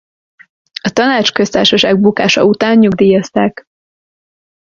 A Tanácsköztársaság bukása után nyugdíjazták.